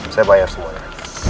saya bayar semuanya